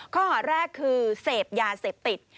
ข้อหาแรกคือเสพยาเสพติด